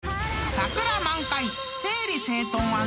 ［桜満開］